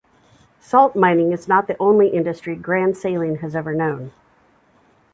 Salt mining is not the only industry Grand Saline has ever known.